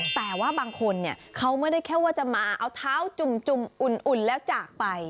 แต่ว่าบางคนเนี่ยเขาไม่ได้แค่ว่าจะมาเอาเท้าจุ่มอุ่นแล้วจากไป